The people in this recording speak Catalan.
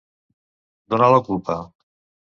Donar la culpa.